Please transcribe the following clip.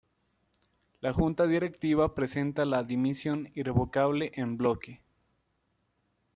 La Junta directiva presenta la dimisión irrevocable en bloque.